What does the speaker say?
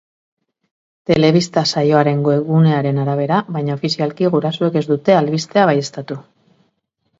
Telebista-saioaren webgunearen arabera, baina ofizialki gurasoek ez dute albistea baieztatu.